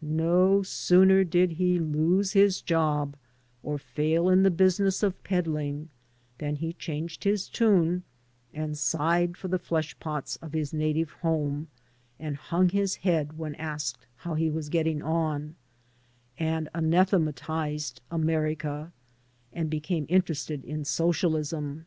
But no sooner did he lose his job or fail in the business of peddling than he changed his tune and sighed for the fleshpots of his native home, and hung his head when asked how he was getting on, and anathematized America, and became interested in socialism.